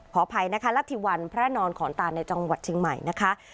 อภัยนะคะรัฐธิวันพระนอนขอนตานในจังหวัดเชียงใหม่นะคะ